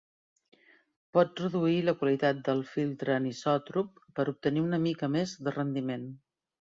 Pots reduir la qualitat del filtre anisòtrop per obtenir una mica més de rendiment.